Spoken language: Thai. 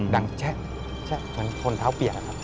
ดังแชะแชะมันคนเท้าเปลี่ยนครับ